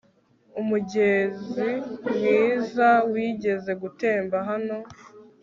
Umugezi mwiza wigeze gutemba hano